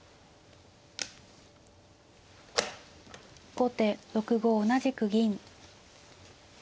後手６五同じく銀。